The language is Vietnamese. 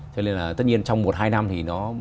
cho nên là tất nhiên trong một hai năm thì nó